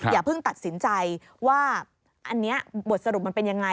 อย่าเพิ่งตัดสินใจว่าอันนี้บทสรุปมันเป็นยังไง